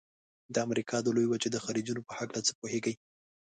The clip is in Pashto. د امریکا د لویې وچې د خلیجونو په هلکه څه پوهیږئ؟